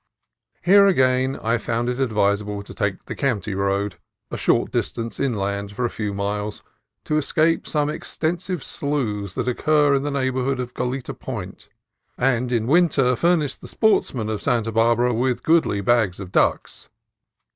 Here again I found it advisable to take the county road, a short distance inland, for a few miles, to escape some extensive sloughs that occur in the neighborhood of Goleta Point, and in winter furnish the sportsmen of Santa Barbara with goodly bags of ducks.